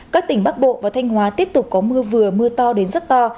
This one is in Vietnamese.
các tỉnh bắc bộ và thanh hóa tiếp tục có mưa vừa mưa to đến rất to